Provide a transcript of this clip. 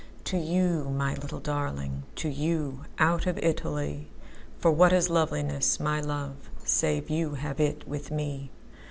To you, my little darling, To you, out of Italy.For what is loveliness, my love, Save you have it with me!